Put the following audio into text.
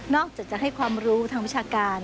อกจากจะให้ความรู้ทางวิชาการ